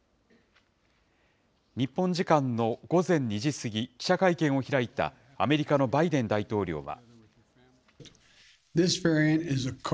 日本時間の午前２時過ぎ、記者会見を開いたアメリカのバイデン大統領は。